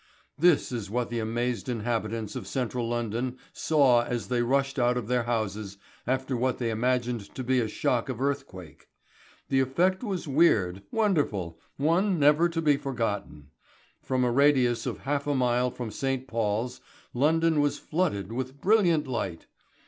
This is what the amazed inhabitants of central London saw as they rushed out of their houses after what they imagined to be a shock of earthquake. The effect was weird, wonderful, one never to be forgotten. From a radius of half a mile from St. Paul's, London was flooded with brilliant light.